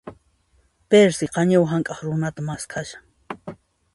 Perci, qañiwa hank'aq runatan maskhashan.